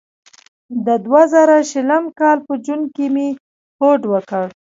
د دوه زره شلم کال په جون کې مې هوډ وکړ.